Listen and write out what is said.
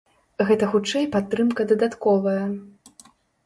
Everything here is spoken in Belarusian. Гэта хутчэй падтрымка дадатковая.